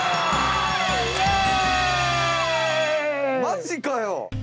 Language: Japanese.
マジかよ。